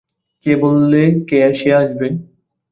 কে বললে সে আসবে?